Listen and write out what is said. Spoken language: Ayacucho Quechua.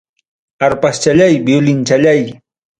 Arpaschallay, viulinchallay.